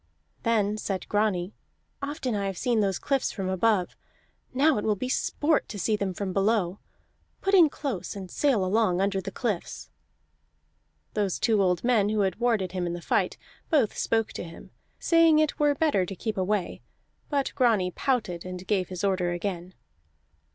Then said Grani: "Often have I seen these cliffs from above; now it will be sport to see them from below. Put in close, and sail along under the cliffs." Those two old men who had warded him in the fight both spoke to him, saying it were better to keep away. But Grani pouted and gave his order again.